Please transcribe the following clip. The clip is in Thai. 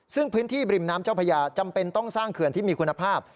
ซึ่งพื้นที่บริมน้ำเจ้าพญาจำเป็นต้องสร้างเขื่อนที่มีคุณภาพ